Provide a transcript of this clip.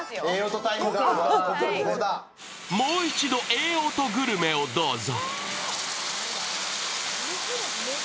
もう一度、ええ音グルメをどうぞ。